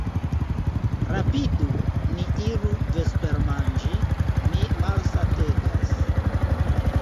Rapidu, ni iru vespermanĝi, mi malsategas.